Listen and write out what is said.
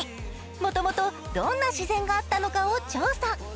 もともとどんな自然があったのかを調査。